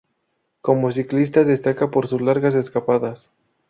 Como ciclista destaca por sus largas escapadas.